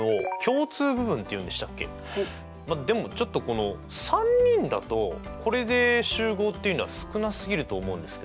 まあでもちょっとこの３人だとこれで集合っていうのは少なすぎると思うんですけど。